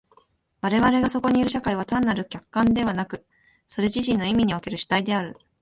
我々がそこにいる社会は単なる客観でなく、それ自身の意味における主体である。